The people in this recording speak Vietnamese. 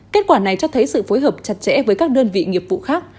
kết quả này cho thấy sự phối hợp chặt chẽ với các đơn vị nghiệp vụ khác